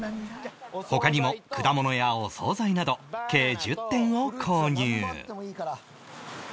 他にも果物やお総菜など計１０点を購入